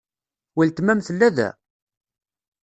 Weltma-m tella da?